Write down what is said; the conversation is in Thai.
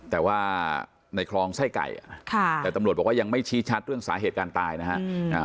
แต่ว่าในคลองไส้ไก่แต่ตำรวจบอกว่ายังไม่ชี้ชัดเรื่องสาเหตุการตายนะฮะ